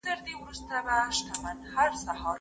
د خوب مناسب ریتم د انرژۍ ساتنه کوي.